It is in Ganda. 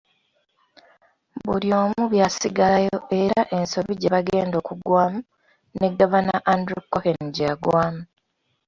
Buli omu byasigalayo era ensobi gye bagenda okugwamu ne Gavana Andrew Cohen gye yagwamu.